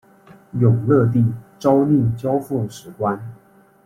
永乐帝诏令交付史官。